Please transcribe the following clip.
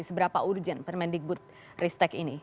seberapa urgent permendikbud ristek ini